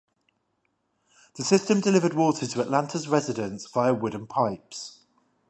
The system delivered water to Atlanta's residents via wooden pipes.